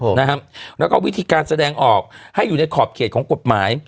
นะฮะแล้วก็วิธีการแสดงออกให้อยู่ในขอบเขตของกฎหมาย